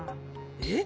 えっ？